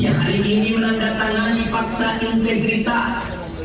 yang hari ini menandatangani fakta integritas